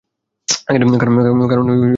কারণ, দেখো চারপাশে।